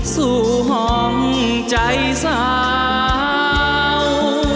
สู่ห้องใจสาว